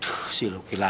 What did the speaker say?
silahkan silahkan silahkan